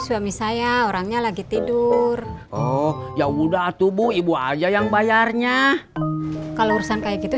suami saya orangnya lagi tidur oh ya udah tubuh ibu aja yang bayarnya kalau urusan kayak gitu